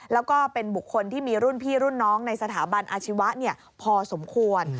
แล้วก็เป็นบุคคลที่มีรุ่นพี่รุ่นน้องในสถาบันอาชีวะพอสมควร